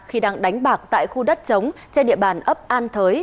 khi đang đánh bạc tại khu đất trống trên địa bàn ấp an thới